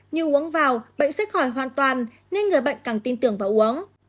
như uống vào bệnh sẽ khỏi hoàn toàn nên người bệnh càng tin tưởng vào uống